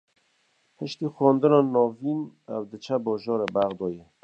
Piştî xwendina navîn, ew diçe bajarê Bexdayê